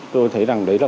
tôi thấy rằng đấy là